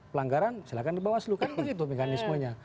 pelanggaran silahkan di bawah seluruh kantor itu mekanismenya